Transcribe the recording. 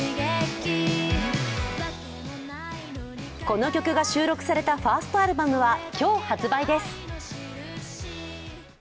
この曲が収録されたファーストアルバムは今日発売です。